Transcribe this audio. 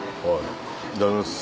いただきます。